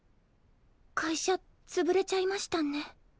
会社つぶれちゃいましたね。